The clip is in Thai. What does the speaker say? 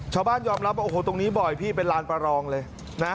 ชาวบ้านยอมรับโอ้โหตรงนี้บ่อยพี่เป็นร้านปลารองเลยนะ